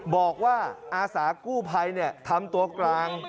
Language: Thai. บอกว่าอาสากู้ภัยทำตัวกลาง